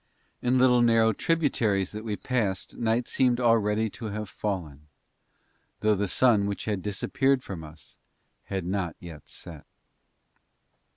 In little narrow tributaries that we passed night seemed already to have fallen, though the sun which had disappeared from us had not yet set.